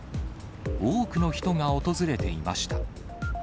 多くの人が訪れていました。